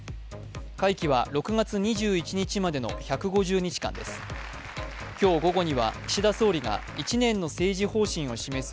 会期は６月２１日までの１５０日間です。